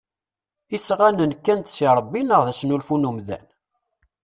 Isɣanen kkan-d seg Ṛebbi neɣ d asnulfu n umdan?